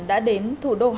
đã đến thủ đô việt nam